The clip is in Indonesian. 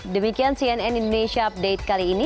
demikian cnn indonesia update kali ini